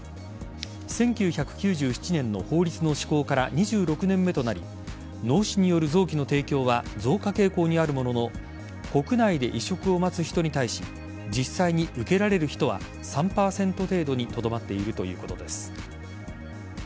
１９９７年の法律の施行から２６年目となり脳死による臓器の提供は増加傾向にあるものの国内で移植を待つ人に対し実際に受けられる人は３％程度にとどまっているということです。